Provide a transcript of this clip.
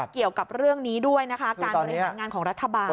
เกี่ยวกับเรื่องนี้ด้วยนะคะการบริหารงานของรัฐบาล